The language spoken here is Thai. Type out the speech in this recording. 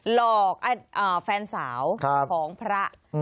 หลอกแฟนสาวของพระ